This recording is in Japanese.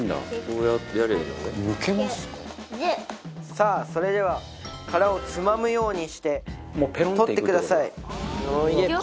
さあそれでは殻をつまむようにして取ってください。